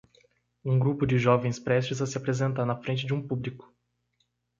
um grupo de jovens prestes a se apresentar na frente de um público.